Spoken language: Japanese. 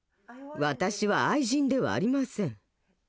私は愛人ではありません。